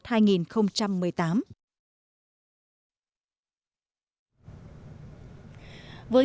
năm hai nghìn một mươi tám xã quỳnh đôi đã tổ chức lễ hội kỳ phúc xuân mẫu tuất hai nghìn một mươi tám